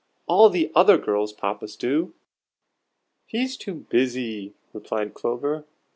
"All the other girls' Papas do." "He's too busy," replied Clover.